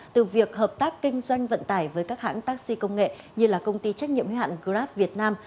từ việc hợp tác kinh doanh vận tải với các hãng taxi công nghệ như là công ty trách nhiệm hữu hạn grab việt nam